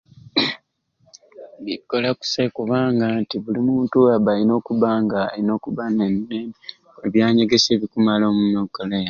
Bikola kusai kubanga nti buli muntu abba alina okubba nga ayina okubba ne byanyegesya ebikumala omukola eni.